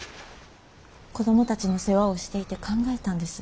子供たちの世話をしていて考えたんです。